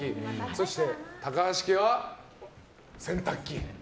そして、高橋家は洗濯機。